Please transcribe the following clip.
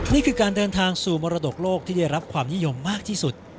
นี่คือการเดินทางสู่มรดกโลกที่ได้รับความนิยมมากที่สุด